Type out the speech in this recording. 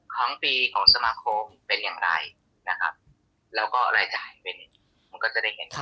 ของปีของสมาคมเป็นอย่างไรนะครับแล้วก็รายจ่ายเป็นมันก็จะได้เห็นค่า